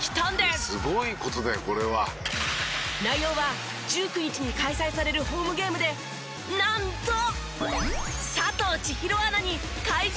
「すごい事だよこれは」内容は１９日に開催されるホームゲームでなんと。